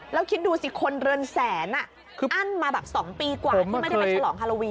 แล้วคิดดูสิคนเรือนแสนอั้นมาแบบ๒ปีกว่าที่ไม่ได้ไปฉลองฮาโลวีน